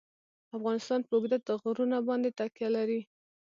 افغانستان په اوږده غرونه باندې تکیه لري.